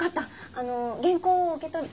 あの原稿を受け取り。